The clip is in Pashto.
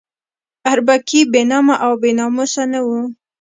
اربکی بې نامه او بې ناموسه نه وو.